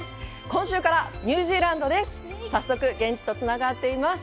今週からニュージーランドです！